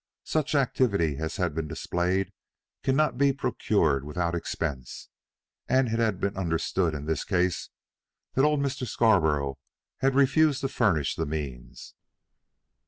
Such activity as had been displayed cannot be procured without expense, and it had been understood in this case that old Mr. Scarborough had refused to furnish the means.